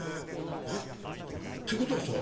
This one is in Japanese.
えっ？ってことはさ